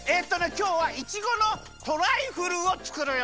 きょうはいちごのトライフルをつくるよ！